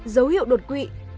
dấu hiệu đột quỵ